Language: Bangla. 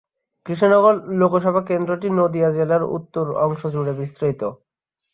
কৃষ্ণনগর লোকসভা কেন্দ্রটি নদীয়া জেলার উত্তর অংশ জুড়ে বিস্তৃত।